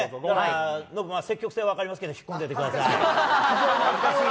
ノブ、積極性は分かりますけど引っ込んでてください。